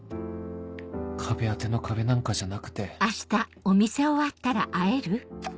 壁当ての壁なんかじゃなくて